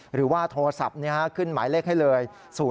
หรือว่าโทรศัพท์ขึ้นหมายเลขให้เลย